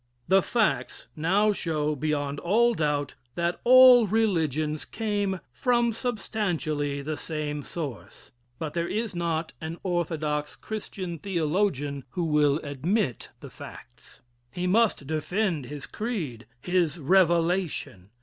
The facts now show beyond all doubt that all religions came from substantially the same source but there is not an orthodox Christian theologian who will admit the facts. He must defend his creed his revelation.